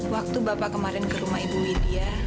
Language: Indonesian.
waktu bapak kemarin ke rumah ibu widya